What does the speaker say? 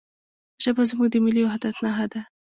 ژبه زموږ د ملي وحدت نښه ده.